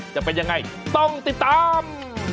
จะเป็นยังไงต้องติดตาม